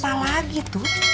apa lagi tuh